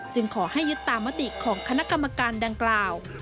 ขอให้ยึดตามมติของคณะกรรมการดังกล่าว